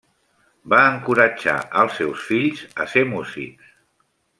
Va encoratjar als seus fills a ser músics.